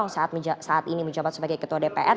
yang saat ini menjabat sebagai ketua dpr